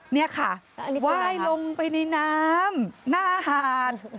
นี่ค่ะไหว้ลงไปในน้ำหน้าหาด